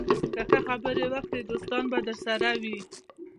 که ښه خبرې وکړې، دوستان به درسره وي